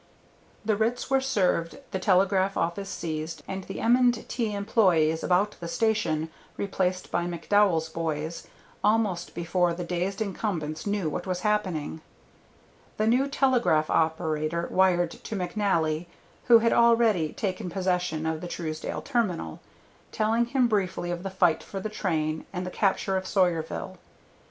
The writs were served, the telegraph office seized, and the M. & T. employees about the station replaced by McDowell's "boys" almost before the dazed incumbents knew what was happening. The new telegraph operator wired to McNally, who had already taken possession of the Truesdale terminal, telling him briefly of the fight for the train and the capture of Sawyerville.